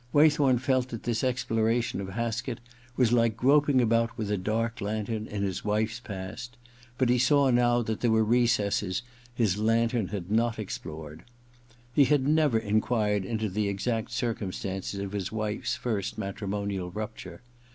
Waythorn felt that this exploration of Haskett was like groping about with a dark lantern in his wife's past ; but he saw now that there were recesses his lantern had not explored. He had never enquired into the exact circumstances of his wife's first matri monial rupture.